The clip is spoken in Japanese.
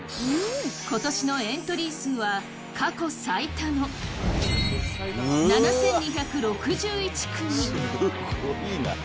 ことしのエントリー数は過去最多の７２６１組！